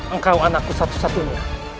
engkau anakku satu satunya